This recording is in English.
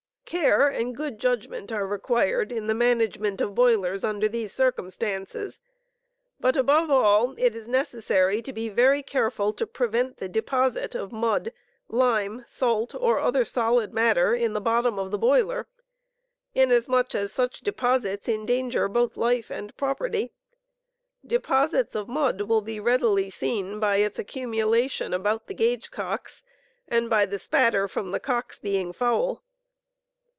Care and good judgment are required in the management of boilers under these circumstances; but, above all, it is necessary to be very careful to prevent the deposit of mud, lime, salt, or other solid matter in the bottom of the boiler, inasmuch as such deposits endanger both life and property. , Deposits of mud will be readily seen by its accumulation about the gauge cocks and by the "spatter" from the cocks being foul.